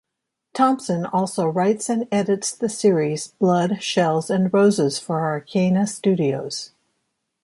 Thompson also writes and edits the series "Blood, Shells, and Roses" for Arcana Studios.